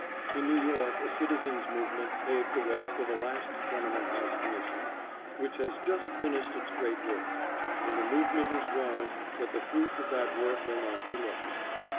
In New York a citizens' movement paved the way for the last Tenement House Commission, which has just finished its great work, and the movement is warrant that the fruits of that work will not be lost.